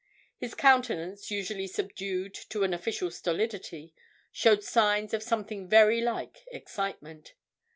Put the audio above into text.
His countenance, usually subdued to an official stolidity, showed signs of something very like excitement.